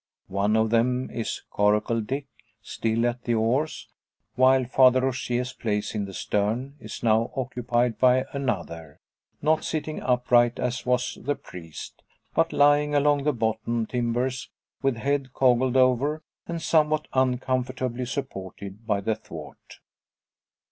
One of them is Coracle Dick, still at the oars; while Father Rogier's place in the stern is now occupied by another; not sitting upright as was the priest, but lying along the bottom timbers with head coggled over, and somewhat uncomfortably supported by the thwart.